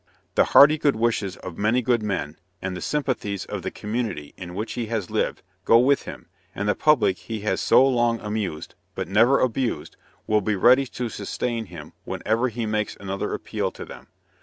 "The hearty good wishes of many good men, and the sympathies of the community in which he has lived, go with him, and the public he has so long amused, but never abused, will be ready to sustain him whenever he makes another appeal to them.